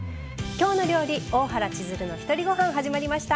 「きょうの料理大原千鶴のひとりごはん」始まりました。